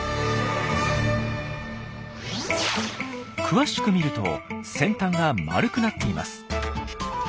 詳しく見ると先端が丸くなっています。